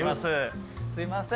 すいません